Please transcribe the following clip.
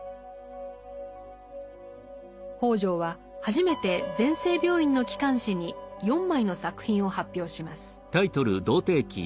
北條は初めて全生病院の機関誌に４枚の作品を発表します。